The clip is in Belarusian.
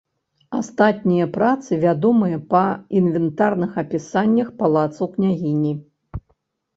Астатнія працы вядомыя па інвентарных апісаннях палацаў княгіні.